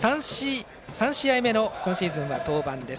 ３試合目の今シーズンは登板です。